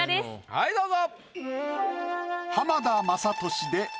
はいどうぞ。